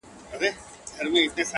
• د حلال او د حرام سوچونه مکړه..